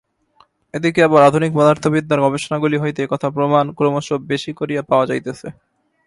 এদিকে আবার আধুনিক পদার্থবিদ্যার গবেষণাগুলি হইতে এ-কথার প্রমাণ ক্রমশ বেশী করিয়া পাওয়া যাইতেছে।